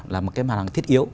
là một cái mặt hàng thiết yếu